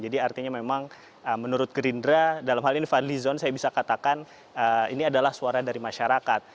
jadi artinya memang menurut gerindra dalam hal ini fadlizon saya bisa katakan ini adalah suara dari masyarakat